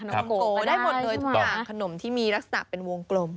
ขนมโกได้หมดเลยทุกอย่างขนมที่มีลักษณะเป็นวงกลม